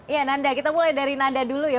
ya nanda kita mulai dari nanda dulu ya